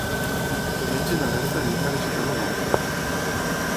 Diumenge na Berta anirà a visitar mon oncle.